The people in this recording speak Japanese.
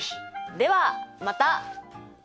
ではまた！